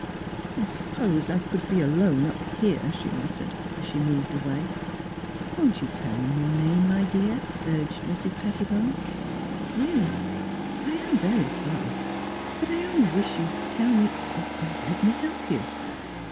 " I supposed I could be alone — up here," she muttered, as she moved away. *' Won't you tell me your name, my dear? " urged Mrs. Pettibone. " Eeally, I am very sorry — but I only wish you'd tell me — let me — help you.